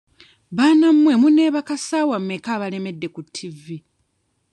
Baana mmwe muneebaka ssaawa mmeka abalemedde ku tivi?